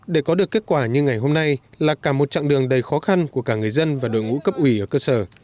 để có được kết quả như ngày hôm nay là cả một chặng đường đầy khó khăn của cả người dân và đội ngũ cấp ủy ở cơ sở